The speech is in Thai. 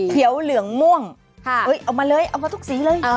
เหลืองม่วงเอามาเลยเอามาทุกสีเลย